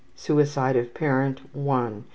4 Suicide of parent .....